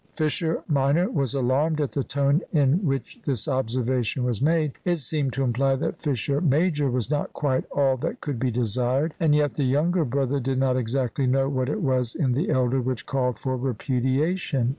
Fisher minor was alarmed at the tone in which this observation was made. It seemed to imply that Fisher major was not quite all that could be desired, and yet the younger brother did not exactly know what it was in the elder which called for repudiation.